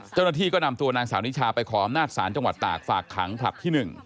เจ้าหน้าที่ก็นำตัวนางสาวนิชาไปขออำนาจศาลจังหวัดตากฝากขังผลัดที่๑